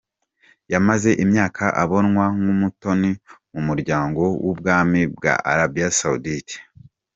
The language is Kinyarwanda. Yamaze imyaka abonwa nk'umutoni mu muryango w'ubwami bwa Arabie Saoudite.